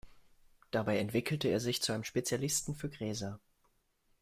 Dabei entwickelte er sich zu einem Spezialisten für Gräser.